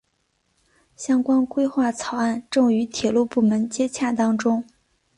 相关规划草案正与铁路部门接洽当中。